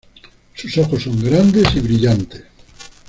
Sus ojos son grandes y brillantes.